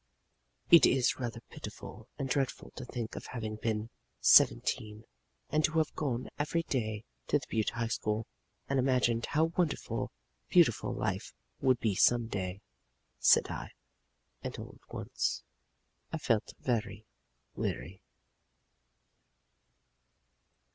"It is rather pitiful and dreadful to think of having been seventeen, and to have gone every day to the Butte High School and imagined how wonderful beautiful life would be some day," said I, and all at once felt very weary.